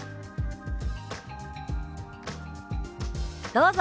どうぞ。